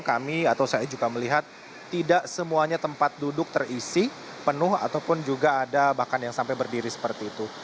kami atau saya juga melihat tidak semuanya tempat duduk terisi penuh ataupun juga ada bahkan yang sampai berdiri seperti itu